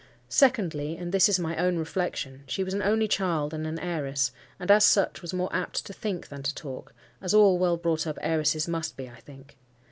Secondly,—and this is my own reflection,—she was an only child and an heiress; and as such was more apt to think than to talk, as all well brought up heiresses must be. I think.